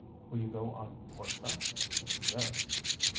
"Will you go on horseback?" "Yes."